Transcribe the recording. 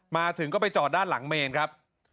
มาถึงก็ไปจอดด้านหลังเมนครับ